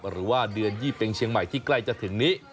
หรือว่าเดือนยี่เป็งเชียงใหม่ที่ใกล้จะถึงนี้